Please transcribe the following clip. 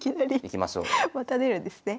また出るんですね。